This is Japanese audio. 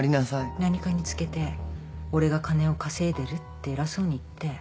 何かにつけて「俺が金を稼いでる」って偉そうに言って。